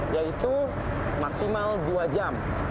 yaitu maksimal dua jam